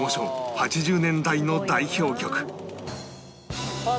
８０年代の代表曲あっ！